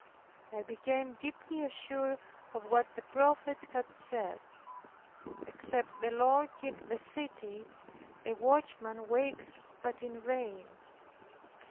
I became deeply assured of what the prophet had said, "Except the Lord keep the city, the watchman waketh but in vain" (Ps.